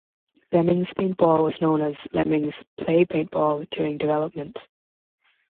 "Lemmings Paintball" was known as "Lemmings Play Paintball" during development.